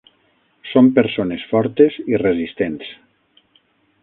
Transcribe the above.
Són persones fortes i resistents.